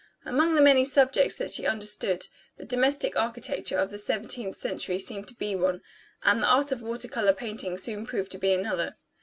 Among the many subjects that she understood, the domestic architecture of the seventeenth century seemed to be one, and the art of water color painting soon proved to be another.